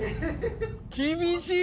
厳しい！